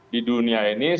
di dunia ini sekalian